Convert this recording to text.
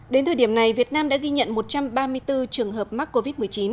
đến thời điểm này việt nam đã ghi nhận một trăm ba mươi bốn trường hợp mắc covid một mươi chín